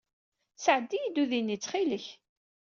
Sɛeddi-yi-d udi-nni ttxil-k.